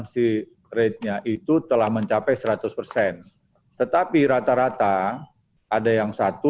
sementara ada empat puluh tujuh